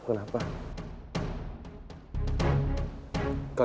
kamu enggak ngapain